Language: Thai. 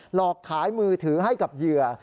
หลอกขายมือถือให้กับเหยื่อ